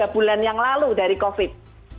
tiga bulan yang lalu dari covid